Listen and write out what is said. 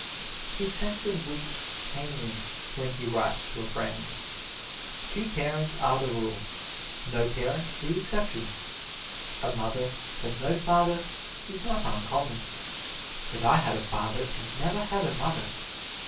His sense of wit came in when he writes to a friend: "Two parents are the rule; no parents the exception; a mother but no father is not uncommon; but I had a father and never had a mother.